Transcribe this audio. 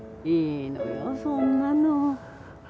いいのよそんなの。